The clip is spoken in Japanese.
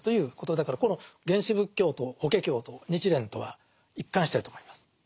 だからこの原始仏教と「法華経」と日蓮とは一貫してると思います。